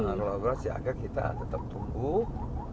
dengan kolaborasi agar kita tetap tumbuh